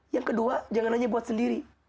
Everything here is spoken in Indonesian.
yang kedua jangan hanya buat sendiri